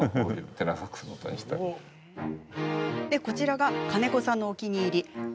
こちらが、金子さんのお気に入り